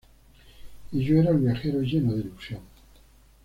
Y yo era el viajero lleno de ilusión.